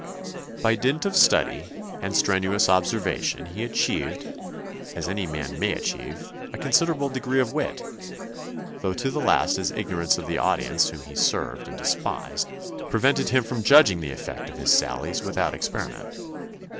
By dint of study and strenuous observation he achieved, as any man may achieve, a considerable degree of wit, though to the last his ignorance of the audience whom he served and despised, pre vented him from judging the effect of his sallies without experiment.